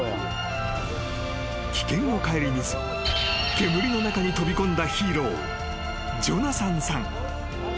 ［危険を顧みず煙の中に飛び込んだヒーロージョナサンさん］